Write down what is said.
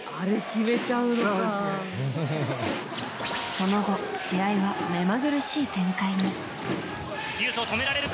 その後、試合はめまぐるしい展開に。